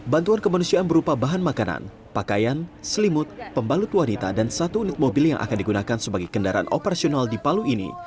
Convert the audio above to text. bantuan kemanusiaan berupa bahan makanan pakaian selimut pembalut wanita dan satu unit mobil yang akan digunakan sebagai kendaraan operasional di palu ini